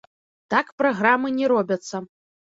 Так праграмы не робяцца.